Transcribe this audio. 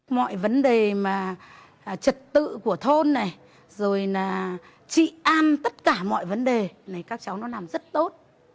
mọi vấn đề trật tự của thôn này trị an tất cả mọi vấn đề này các cháu nó làm rất tốt